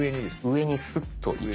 上にスッと。